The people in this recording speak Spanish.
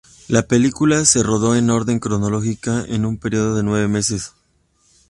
La película se rodó en orden cronológico en un período de nueve meses.